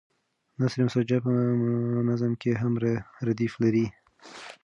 نثر مسجع په نظم کې هم ردیف لري.